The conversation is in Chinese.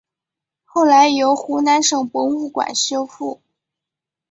后来由湖南省博物馆修复。